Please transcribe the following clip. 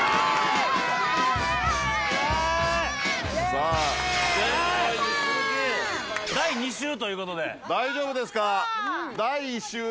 さあ前回に続き第２週ということで大丈夫ですか？